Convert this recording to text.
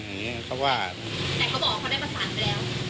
แต่เขาบอกเขาได้ประสานไปแล้ว